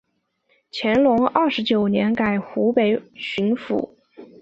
乾隆二十九年改湖北巡抚。